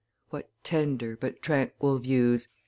"What tender, but tranquil views!